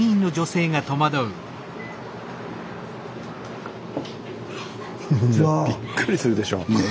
スタジオびっくりするでしょ。